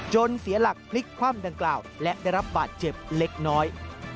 เสียหลักพลิกคว่ำดังกล่าวและได้รับบาดเจ็บเล็กน้อย